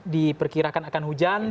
diperkirakan akan hujan